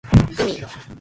gumi